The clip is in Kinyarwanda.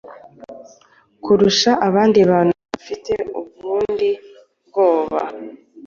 kurusha abandi bantu bafite ubundi bwoko